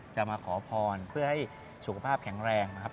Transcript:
จะมาขอพรเพื่อให้สุขภาพแข็งแรงนะครับ